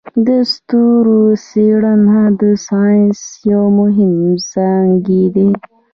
د ستورو څیړنه د ساینس یو مهم څانګی دی.